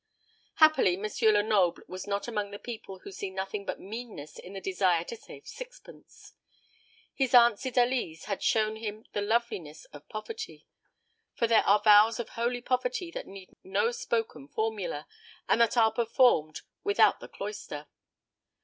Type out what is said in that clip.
Happily M. Lenoble was not among the people who see nothing but meanness in the desire to save sixpence. His aunt Cydalise had shown him the loveliness of poverty; for there are vows of holy poverty that need no spoken formula, and that are performed without the cloister.